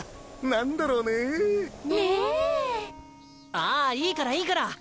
ああいいからいいから。